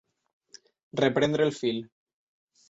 Reprendre el fil.